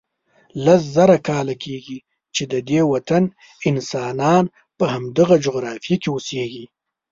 لس زره کاله کېږي چې ددې وطن انسانان په همدغه جغرافیه کې اوسیږي.